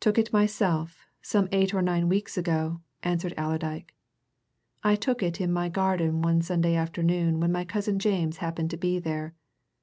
"Took it myself, some eight or nine weeks ago," answered Allerdyke. "I took it in my garden one Sunday afternoon when my cousin James happened to be there.